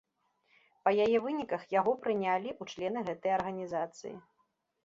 Па яе выніках яго прынялі ў члены гэтай арганізацыі.